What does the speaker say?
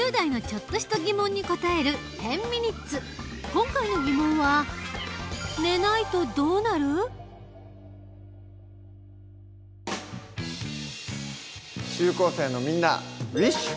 今回の疑問は中高生のみんなウィッシュ！